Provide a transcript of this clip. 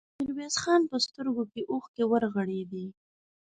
د ميرويس خان په سترګو کې اوښکې ورغړېدې.